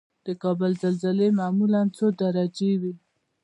د کابل زلزلې معمولا څو درجې وي؟